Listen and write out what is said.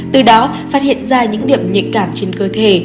từ đó phát hiện ra những điểm nhạy cảm trên cơ thể